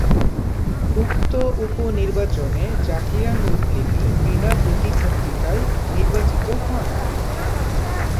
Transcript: উক্ত উপনির্বাচনে জাকিয়া নূর লিপি বিনা প্রতিদ্বন্দিতায় নির্বাচিত হন।